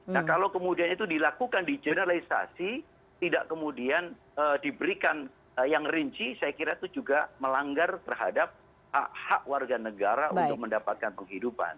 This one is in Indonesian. nah kalau kemudian itu dilakukan di generalisasi tidak kemudian diberikan yang rinci saya kira itu juga melanggar terhadap hak warga negara untuk mendapatkan penghidupan